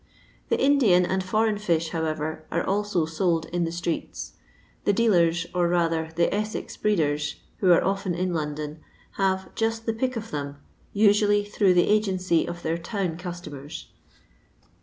The Indian and foreign fi»h, however, are also sold in the streets ; the dealers, or rather the Essex breeders, who are often in London, have "just the pick of them," usually through the agency of their town customers.